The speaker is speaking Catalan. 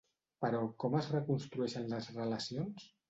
Però com es reconstrueixen les relacions?